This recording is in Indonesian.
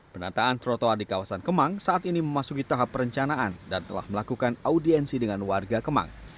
penataan trotoar di kawasan kemang saat ini memasuki tahap perencanaan dan telah melakukan audiensi dengan warga kemang